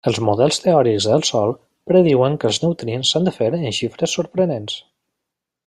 Els models teòrics del Sol prediuen que els neutrins s'han de fer en xifres sorprenents.